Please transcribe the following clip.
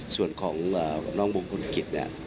ส่วนของน้องมุมคนกิจ